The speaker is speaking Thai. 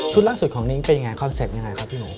ล่าสุดของนิ้งเป็นยังไงคอนเซ็ปต์ยังไงครับพี่หนู